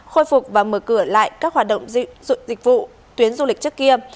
khôi phục và mở cửa lại các hoạt động dịch vụ tuyến du lịch trước kia